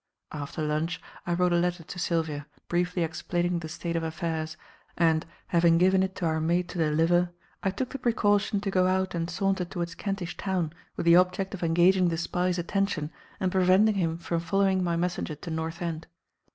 After lunch, I wrote a letter to Sylvia, briefly explaining the state of affairs, and, having given it to our maid to deliver, I took the precaution to go out and saunter towards Kentish Town with the object of engaging the spy's attention and preventing him from following my messenger to North End.